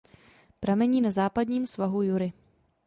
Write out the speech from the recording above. Pramení na západním svahu Jury.